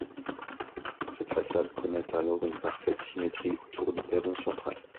Cette façade connaît alors une parfaite symétrie autour du perron central.